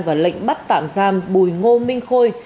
và lệnh bắt tạm giam bùi ngô minh khôi